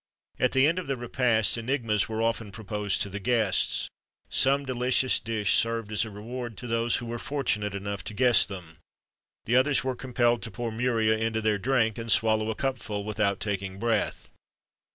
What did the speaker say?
At the end of the repast, enigmas were often proposed to the guests. Some delicious dish served as a reward to those who were fortunate enough to guess them; the others were compelled to pour muria into their drink, and swallow a cup full without taking breath.